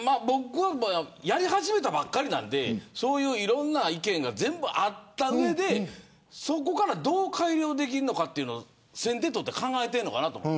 やり始めたばっかりなのでいろんな意見が全部あった上でそこから、どう改良できるのかというのを先手取って考えているのかなと思う。